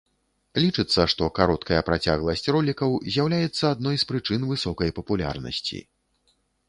Лічыцца, што кароткая працягласць ролікаў з'яўляецца адной з прычын высокай папулярнасці.